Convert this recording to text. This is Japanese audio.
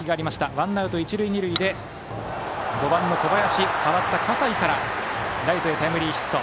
ワンアウト一塁二塁で５番の小林、代わった葛西からライトへタイムリーヒット。